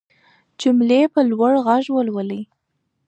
جملې په لوړ غږ ولولئ.